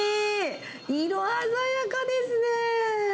色鮮やかですね。